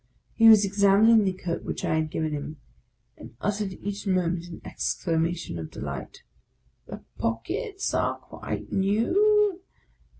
He was examining the coat which I had given him, and uttered each moment an exclamation of delight. " The pockets are quite new